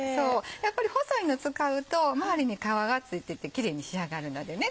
やっぱり細いの使うとまわりに皮が付いててキレイに仕上がるのでね